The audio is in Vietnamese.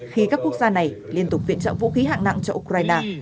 khi các quốc gia này liên tục viện trợ vũ khí hạng nặng cho ukraine